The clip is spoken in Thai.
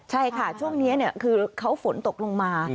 ใช่ค่ะช่วงนี้คือเขาฝนตกลงมา